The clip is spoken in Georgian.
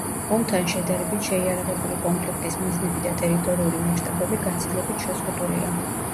ომთან შედარებით შეიარაღებული კონფლიქტის მიზნები და ტერიტორიული მასშტაბები გაცილებით შეზღუდულია.